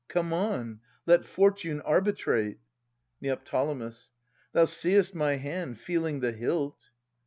Come on ! Let fortune arbitrate. Neo. Thou seest my hand Feeling the hilt.